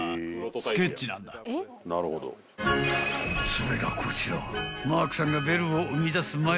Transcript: ［それがこちら］